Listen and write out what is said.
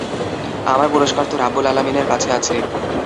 আমার পুরস্কার তো রাব্বুল আলামীনের কাছে আছে।